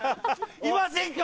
いませんか？